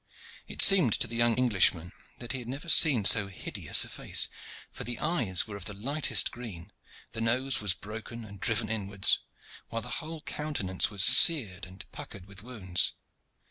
It seemed to the young Englishman that he had never seen so hideous a face, for the eyes were of the lightest green, the nose was broken and driven inwards, while the whole countenance was seared and puckered with wounds.